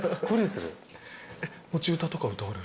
持ち歌とか歌われる。